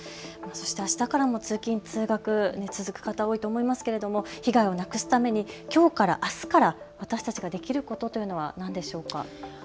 そして、あしたからも通勤通学、続く方、多いと思いますけれども被害をなくすために、きょうからあすから私たちができることというのは何でしょうか。